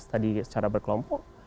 tadi secara berkelompok